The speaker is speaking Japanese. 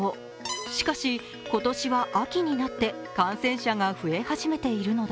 しかし、今年は秋になって感染者が増え始めているのだ。